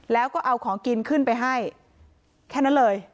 แล้วก็เอาของกินขึ้นไปให้แค่นั้นเลย